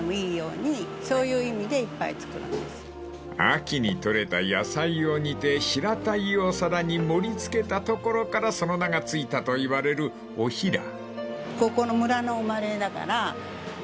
［秋に採れた野菜を煮て平たいお皿に盛り付けたところからその名が付いたといわれるおひら］